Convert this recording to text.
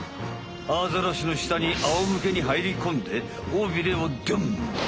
アザラシのしたにあおむけにはいりこんで尾ビレをドン！